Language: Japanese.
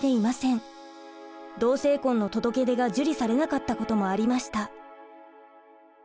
同性婚の届け出が受理されなかったこともありました。